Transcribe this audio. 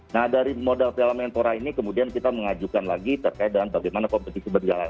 nah dari modal piala menpora ini kemudian kita mengajukan lagi terkait dengan bagaimana kompetisi berjalan